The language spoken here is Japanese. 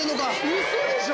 ウソでしょ。